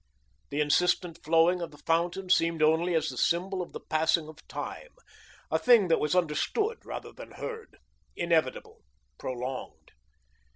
The insistent flowing of the fountain seemed only as the symbol of the passing of time, a thing that was understood rather than heard, inevitable, prolonged.